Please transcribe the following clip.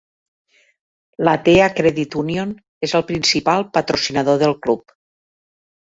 L'Athea Credit Union és el principal patrocinador del club.